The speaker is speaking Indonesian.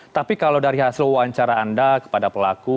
tapi kalau dari hasil wawancara anda kepada pelaku